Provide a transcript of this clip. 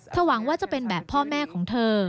หวังว่าจะเป็นแบบพ่อแม่ของเธอ